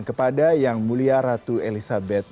kepada yang mulia ratu elizabeth